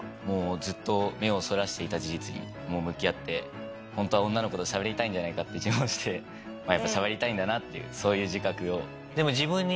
ずっと目をそらしていた事実に向き合って本当は女の子としゃべりたいんじゃないかって自問してやっぱしゃべりたいんだなっていうそういう自覚を。